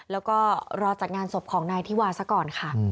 แล้วก็รอจัดงานศพของนายธิวาซะก่อนค่ะ